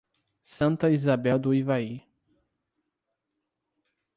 Santa Isabel do Ivaí